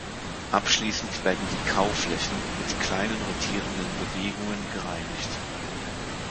Abschließend werden die Kauflächen mit kleinen rotierenden Bewegungen gereinigt.